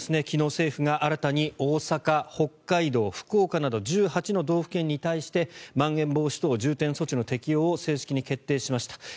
昨日、政府が新たに大阪、北海道、福岡など１８の道府県に対してまん延防止等重点措置の適用を正式に決定しました。